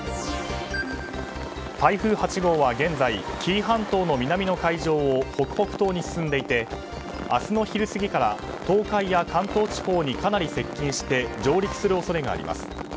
台風８号は現在紀伊半島の南の海上を北北東に進んでいて明日の昼過ぎから東海や関東地方にかなり接近して上陸する恐れがあります。